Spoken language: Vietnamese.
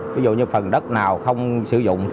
ví dụ như phần đất nào không sử dụng